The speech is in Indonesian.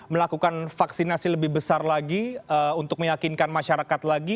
melakukan vaksinasi lebih besar lagi untuk meyakinkan masyarakat lagi